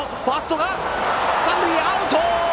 三塁、アウト！